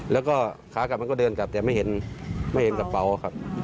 แล้วก็ขากลับมันก็เดินกลับแต่ไม่เห็นไม่เห็นกระเป๋าครับ